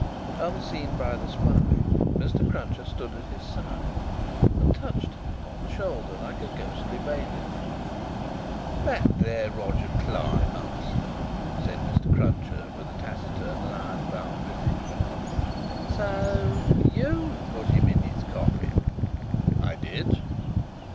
Unseen by the spy, Mr. Cruncher stood at his side, and touched him on the shoulder like a ghostly bailiff. "That there Roger Cly, master," said Mr. Cruncher, with a taciturn and iron bound visage. "So you put him in his coffin?" "I did."